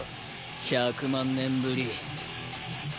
１００万年ぶり。